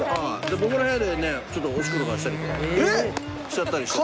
僕の部屋でね、ちょっとおしっことかしちゃったりとかして。